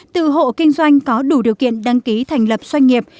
từ hộ kinh doanh có đủ điều kiện đăng ký thành lập doanh nghiệp